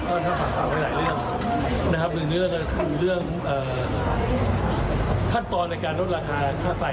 ก็จะฝากสาวหลายเรื่องนะครับเรื่องขั้นตอนในการลดราคาค่าไฟ